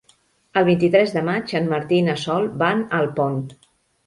El vint-i-tres de maig en Martí i na Sol van a Alpont.